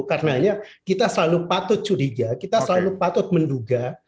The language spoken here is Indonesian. karena kita selalu patut curiga kita selalu patut menduga